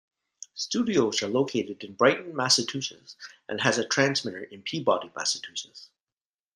Studios are located in Brighton, Massachusetts, and has a transmitter in Peabody, Massachusetts.